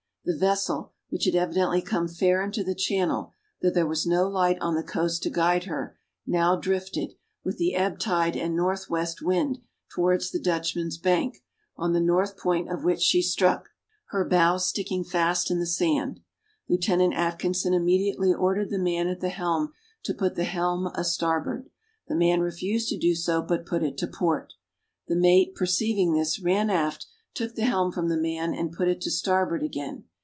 The vessel, which had evidently come fair into the channel, though there was no light on the coast to guide her, now drifted, with the ebb tide and north west wind, towards the Dutchman's Bank, on the north point of which she struck, her bows sticking fast in the sand. Lieut. Atkinson immediately ordered the man at the helm to put the helm a starboard. The man refused to do so; but put it to port. The mate, perceiving this, ran aft, took the helm from the man, and put it to starboard again.